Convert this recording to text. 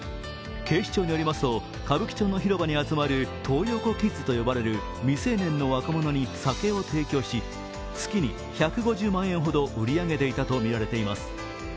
警視庁によりますと、歌舞伎町の広場に集まるトー横キッズと呼ばれる未成年の若者に酒を提供し、月に１５０万円ほど売り上げていたとみられています。